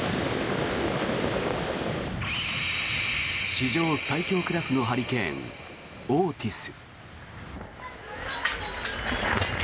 史上最強クラスのハリケーンオーティス。